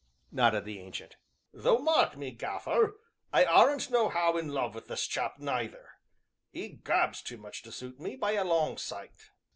nodded the Ancient. "Though, mark me, Gaffer, I aren't nohow in love wi' this chap neither 'e gabs too much to suit me, by a long sight!"